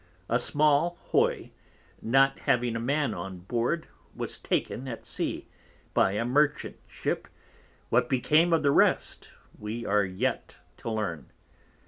A small Hoy, not having a Man on Board, was taken at Sea, by a Merchant Ship, what became of the rest, we are yet to learn.